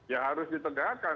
ya harus ditegakkan